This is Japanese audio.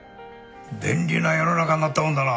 便利な世の中になったもんだな。